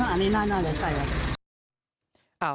อันนี้น่าหรอใช่รึ